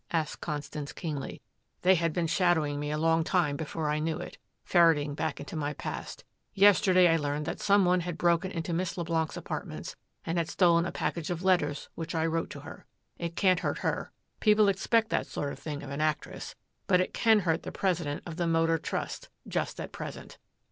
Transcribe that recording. asked Constance keenly. "They had been shadowing me a long time before I knew it, ferreting back into my past. Yesterday I learned that some one had broken into Miss Leblanc's apartments and had stolen a package of letters which I wrote to her. It can't hurt her. People expect that sort of thing of an actress. But it can hurt the president of the Motor Trust just at present."